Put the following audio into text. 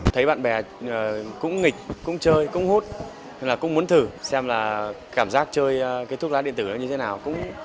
thấy bạn bè cũng nghịch cũng chơi cũng hút là cũng muốn thử xem là cảm giác chơi cái thuốc lá điện tử nó như thế nào cũng